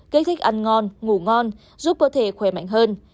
kích thích ăn ngon ngủ ngon giúp cơ thể khỏe mạnh hơn